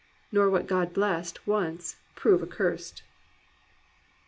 Nor what God blessed once prove accurst."